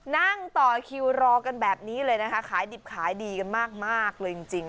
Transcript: นั่งต่อคิวรอกันแบบนี้เลยนะคะขายดิบขายดีกันมากเลยจริง